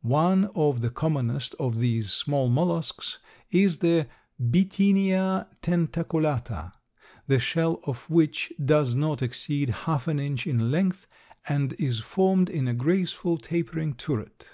One of the commonest of these small mollusks is the Bythinia tentaculata, the shell of which does not exceed half an inch in length, and is formed in a graceful, tapering turret.